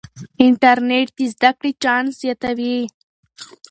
انټرنیټ د زده کړې چانس زیاتوي.